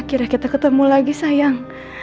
akhirnya kita ketemu lagi sayang